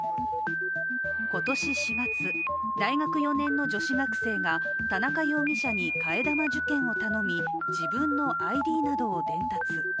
今年４月、大学４年の女子学生が田中容疑者に替え玉受検を頼み、自分のＩＤなどを伝達。